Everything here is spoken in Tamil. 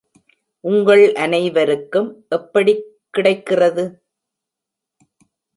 உங்கள் அனைவருக்கும் எப்படி கிடைக்கிறது?